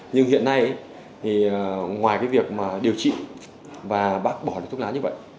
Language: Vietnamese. nhưng hiện nay ngoài việc điều trị và bác bỏ thuốc lá như vậy